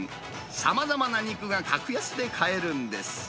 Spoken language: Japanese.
さまざまな肉が格安で買えるんです。